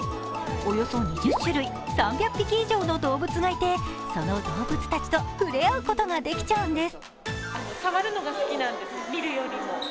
およそ２０種類、３００匹以上の動物がいてその動物たちと触れ合うことができちゃうんです。